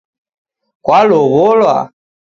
Kwalow'olwa?